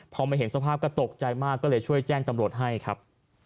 พอมาเห็นสภาพก็ตกใจมากก็เลยช่วยแจ้งตำรวจให้ครับ